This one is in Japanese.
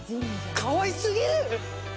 かわいすぎる。